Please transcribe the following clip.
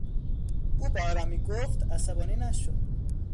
او به آرامی گفت "عصبانی نشو!"